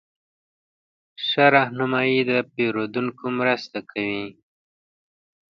ښه رهنمایي د پیرودونکو مرسته کوي.